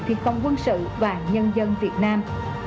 phi công quân sự và nhân dân việt nam